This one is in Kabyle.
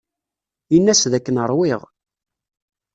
Ini-as dakken ṛwiɣ.